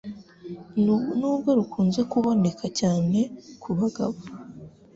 Nubwo rukunze kuboneka cyane ku bagabo,